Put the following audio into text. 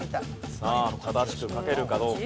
さあ正しく書けるかどうか。